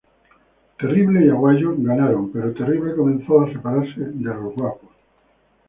Terrible y Aguayo ganaron, pero Terrible comenzó a separarse de Los Guapos.